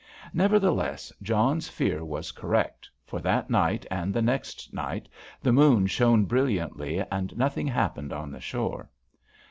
Nevertheless John's fear was correct, for that night and the next night the moon shone brilliantly, and nothing happened on the shore.